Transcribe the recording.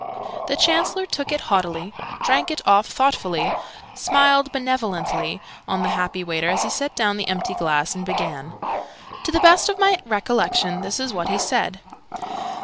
The Chancellor took it haughtily, drank it off thoughtfully, smiled benevolently on the happy waiter as he set down the empty glass, and began. To the best of my recollection this is what he said.